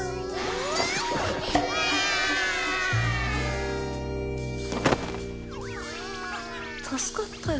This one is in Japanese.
うわあ助かったよ